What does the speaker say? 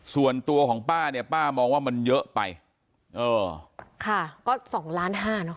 ส่วนตัวของป้าเนี่ยป้ามองว่ามันเยอะไปเออค่ะก็สองล้านห้าเนอะ